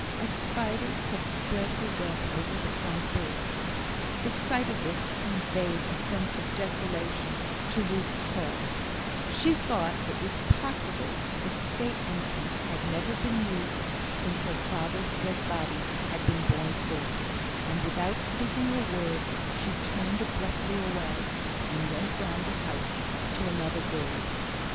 A spider had spread her web over the front door. The sight of this conveyed a sense of desolation to Ruth's heart; she thought it was possible the state entrance had never been used since her father's dead body had been borne forth, and, without speaking a word, she turned abruptly away, and went round the house to another door.